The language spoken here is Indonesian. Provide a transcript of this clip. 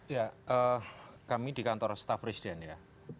ya kami di kantor staf presiden ya